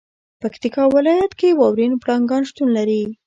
پکتیکا ولایت کې واورین پړانګان شتون لري.